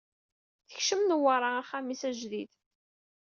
Tekcem Newwara axxam-is ajdid.